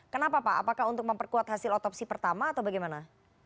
kenapa pak apakah untuk memperkuat hasil otopsi pertama atau bagaimana